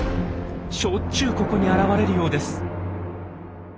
しょっちゅうここに現れるようです。